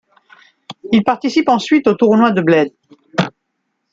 Il participe ensuite au tournoi de Bled.